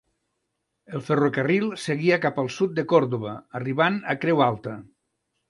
El ferrocarril seguia cap al sud de Còrdova, arribant a Creu Alta.